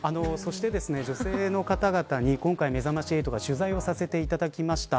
そして女性の方に今回めざまし８が取材をさせていただきました。